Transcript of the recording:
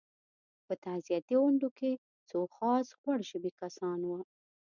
په تعزیتي غونډو کې څو خاص غوړ ژبي کسان وو.